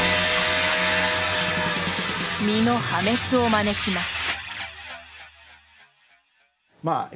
身の破滅を招きます。